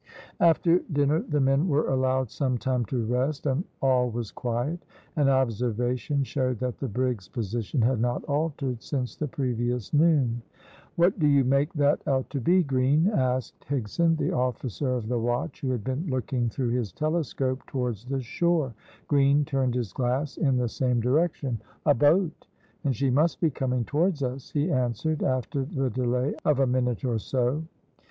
After dinner the men were allowed some time to rest, and all was quiet. An observation showed that the brig's position had not altered since the previous noon. "What do you make that out to be, Green?" asked Higson, the officer of the watch, who had been looking through his telescope towards the shore. Green turned his glass in the same direction. "A boat! and she must be coming towards us," he answered, after the delay of a minute or so.